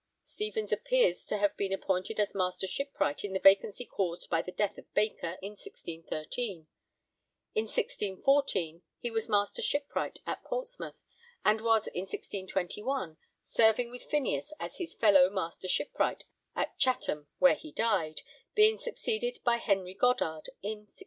Stevens appears to have been appointed as Master Shipwright in the vacancy caused by the death of Baker in 1613. In 1614 he was Master Shipwright at Portsmouth, and was in 1621 serving with Phineas as his 'fellow' Master Shipwright at Chatham, where he died, being succeeded by Henry Goddard in 1626.